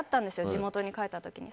地元に帰った時に。